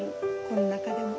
この中でも。